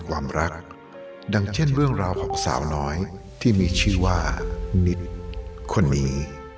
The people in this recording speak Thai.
ความรักดังเช่นเรื่องราวของสาวน้อยที่มีชื่อว่านิดคนนี้